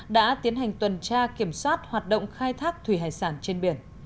đã tiến hành tuần tra kiểm soát hoạt động khai thác thủy hải sản trên biển